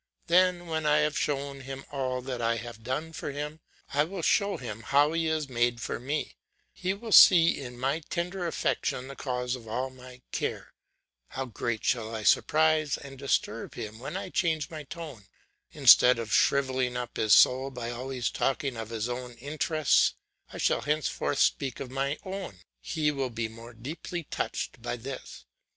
Then when I have shown him all that I have done for him, I will show him how he is made for me; he will see in my tender affection the cause of all my care. How greatly shall I surprise and disturb him when I change my tone. Instead of shrivelling up his soul by always talking of his own interests, I shall henceforth speak of my own; he will be more deeply touched by this.